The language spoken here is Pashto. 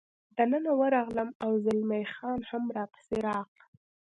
دننه ورغلم، او زلمی خان هم را پسې راغلل.